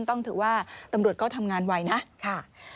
ต้องถือว่าตำรวจก็ทำงานไวนะค่ะ